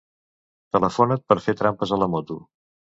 Telefonat per fer trampes a la moto.